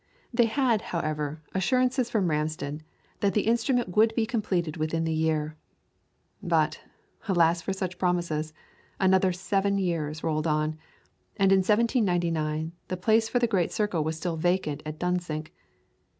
They had, however, assurances from Ramsden that the instrument would be completed within the year; but, alas for such promises, another seven years rolled on, and in 1799 the place for the great circle was still vacant at Dunsink.